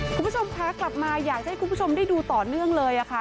คุณผู้ชมคะกลับมาอยากจะให้คุณผู้ชมได้ดูต่อเนื่องเลยค่ะ